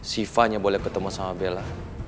siva hanya boleh ketemu sama bella